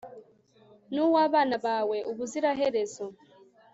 n'uw'abana bawe ubuziraherezo